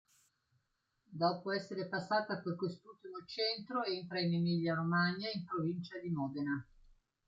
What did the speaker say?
Dopo essere passata per quest'ultimo centro, entra in Emilia-Romagna, in provincia di Modena.